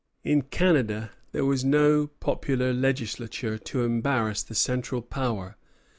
In Canada there was no popular legislature to embarrass the central power.